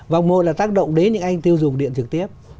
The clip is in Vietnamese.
vòng một là tác động đến những anh tiêu dùng điện trực tiếp